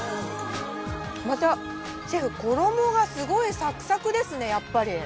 またシェフ衣がすごいサクサクですねやっぱり。